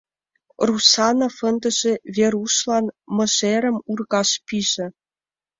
Русанов ындыже Верушлан мыжерым ургаш пиже.